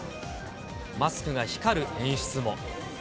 マスクが光る演出も。